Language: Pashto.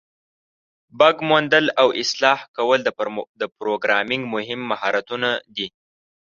بګ موندل او اصلاح کول د پروګرامینګ مهم مهارتونه دي.